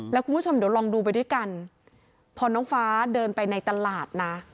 แล้วคุณผู้ชมเดี๋ยวลองดูไปด้วยกันพอน้องฟ้าเดินไปในตลาดนะ